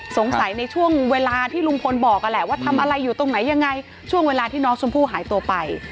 สงสัยในช่วงเวลาที่ลุงพลบอกนั่นแหละว่าทำอะไรอยู่ตรงไหนยังไงช่วงเวลาที่น้องชมพู่หายตัวไป